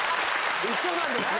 ・一緒なんですね・・